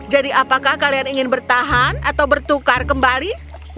jadi apakah kalian ingin bertahan atau bertukar kembali